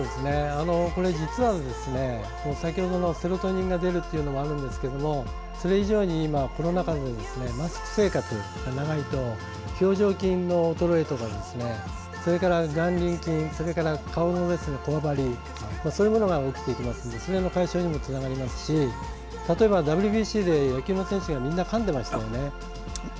実は、先程のセロトニンが出るというのもあるんですがそれ以上に今、コロナ禍でマスク生活が長いと表情筋の衰えや顔のこわばりなどが起きますのでそれの解消にもつながりますし例えばＷＢＣで野球の選手がみんな、かんでましたよね。